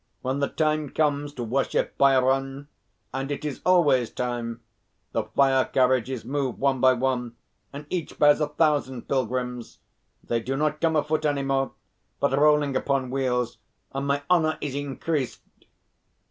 When the time comes to worship Bhairon and it is always time the fire carriages move one by one, and each bears a thousand pilgrims. They do not come afoot any more, but rolling upon wheels, and my honour is increased."